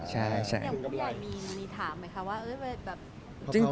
แล้วผู้หญิงอยากมีถามไหมคะว่า